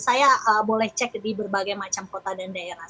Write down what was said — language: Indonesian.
saya boleh cek di berbagai macam kota dan daerah